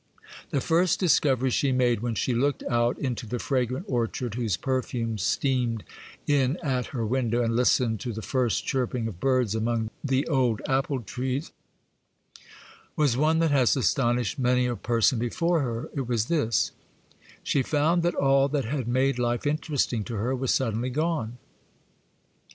The first discovery she made, when she looked out into the fragrant orchard, whose perfumes steamed in at her window, and listened to the first chirping of birds among the old apple trees, was one that has astonished many a person before her;—it was this: she found that all that had made life interesting to her was suddenly gone.